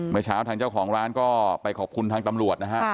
เมื่อเช้าทางเจ้าของร้านก็ไปขอบคุณทางตำรวจนะฮะ